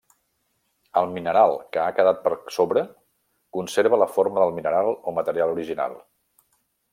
El mineral que ha quedat per sobre conserva la forma del mineral o material original.